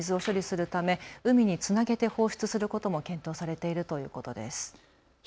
今後はより多くの水を処理するため海につなげて放出することも検討されているということです。